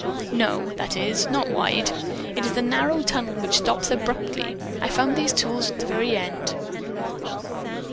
"No; that is, not wide. It is a narrow tunnel which stops abruptly. I found these tools at the very end."